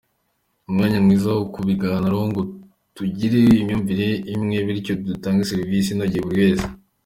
umwanya mwiza wo kubiganiraho ngo tugire imyumvire imwe bityo dutange serivisi inogeye buri wese”.